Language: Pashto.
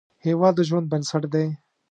هیواد د ژوند بنسټ دی